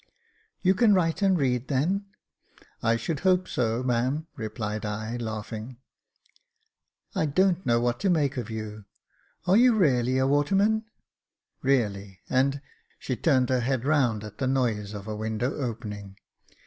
" You can write and read then ?" "I should hope so, ma'am," replied I, laughing. " I don't know what to make of you. Are you really a waterman ?"" Really, and " She turned her head round at the noise of a window opening.